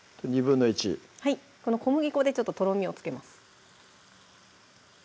１／２この小麦粉でちょっととろみをつけます